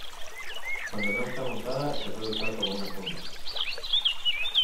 Cuando no está montada, se puede usar como una funda.